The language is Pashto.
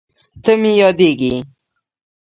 ته مې یادېږې